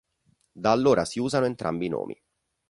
Da allora si usano entrambi i nomi.